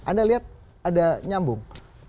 anda lihat ada nyambung